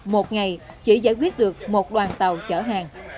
một ngày chỉ giải quyết được một đoàn tàu chở hàng